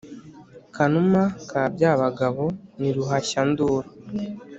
Kanuma ka Byabagabo ni Ruhashya-nduru